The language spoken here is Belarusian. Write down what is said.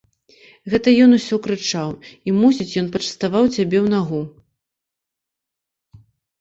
Гэта ён усё крычаў і, мусіць, ён пачаставаў цябе ў нагу.